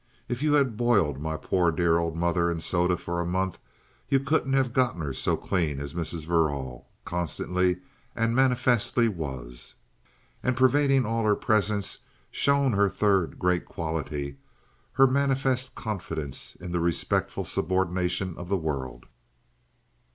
If you had boiled my poor dear old mother in soda for a month you couldn't have got her so clean as Mrs. Verrall constantly and manifestly was. And pervading all her presence shone her third great quality, her manifest confidence in the respectful subordination of the world.